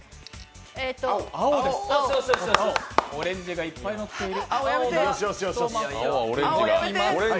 オレンジがいっぱい乗っている。